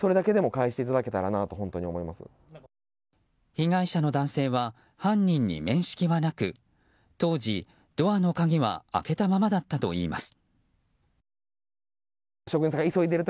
被害者の男性は犯人に面識はなく当時、ドアの鍵は開けたままだったといいます。